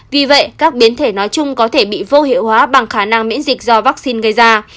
vì vậy các biến thể nói chung có thể bị vô hiệu hóa bằng khả năng miễn dịch do vaccine gây ra